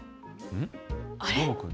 あれ？